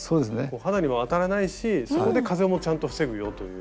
肌にも当たらないしそこでちゃんと風も防ぐよという。